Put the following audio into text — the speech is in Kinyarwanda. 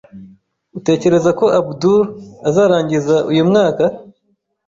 Utekereza ko Abdul azarangiza uyu mwaka?